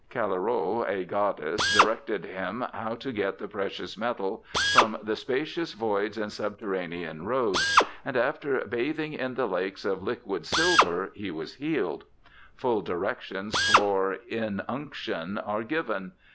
Callirrhoe, a goddess, directed him how to get the precious metal from ' the spacious voids and sub terranean roads', and after bathing in the lakes of liquid silver he was healed. Full directions for in unction are given.